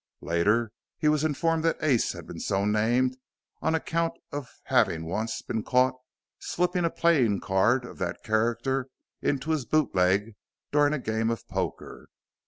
Later he was informed that Ace had been so named on account of having once been caught slipping a playing card of that character into his bootleg during a game of poker.